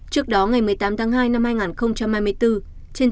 trước đó ngày một mươi tám tháng hai năm hai nghìn hai mươi bốn trên tuyến cong